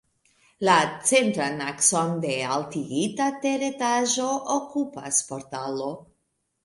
La centran akson de altigita teretaĝo okupas portalo.